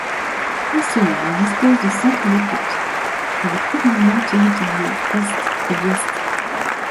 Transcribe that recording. Pour cela il dispose de centres d'écoutes et des commandement territoriaux Est et Ouest.